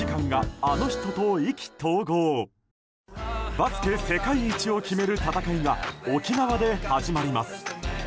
バスケ世界一を決める戦いが沖縄で始まります。